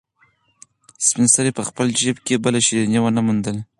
سپین سرې په خپل جېب کې بله شيرني ونه موندله.